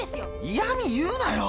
いやみ言うなよ。